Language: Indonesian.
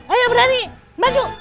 ayo berani maju